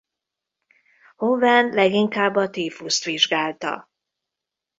Hoven leginkább a tífuszt vizsgálta.